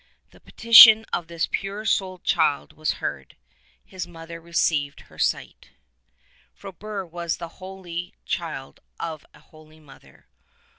The petition of this pure souled child was heard. His mother received her sight, Frobert was the holy child of a holy mother.